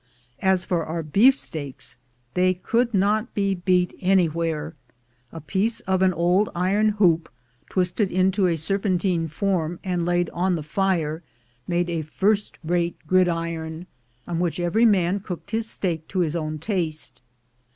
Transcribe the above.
As for our beefsteaks, they could not be beat any where. A piece of an old iron hoop, twisted into a LOOKING FOR GOLD 129 serpentine form and laid on the fire, made a first rate gridiron, on which every man cooked his steak to his own taste.